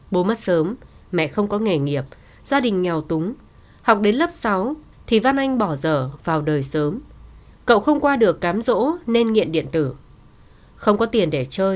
bố mất sớm mẹ không có nghề